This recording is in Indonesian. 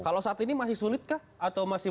kalau saat ini masih sulit kah atau masih